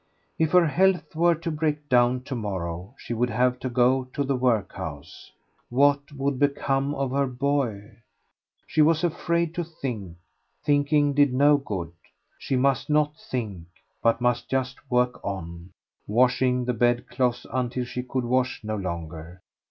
If her health were to break down to morrow she would have to go to the workhouse. What would become of her boy? She was afraid to think; thinking did no good. She must not think, but must just work on, washing the bedclothes until she could wash no longer.